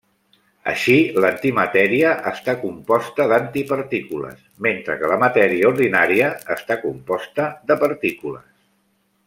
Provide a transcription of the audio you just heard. Així, l'antimatèria està composta d'antipartícules, mentre que la matèria ordinària està composta de partícules.